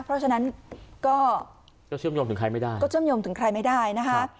เพราะฉะนั้นก็เชื่อมโยมถึงใครไม่ได้นะคะ